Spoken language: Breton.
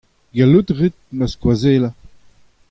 Gallout a rit ma skoazellañ.